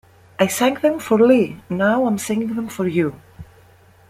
I sang them for Lee, now I'm singing them for you.